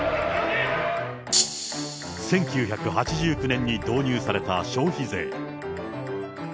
１９８９年に導入された消費税。